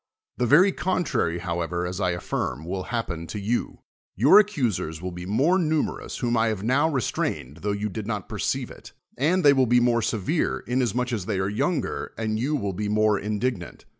The very cojitrary however, as I affirm, will happen to you. Your accusers will be more numerous, whom I have riow restrained, tho you did not perceive it; and they will be more severe, inas much as they are younger and you will be more indignant.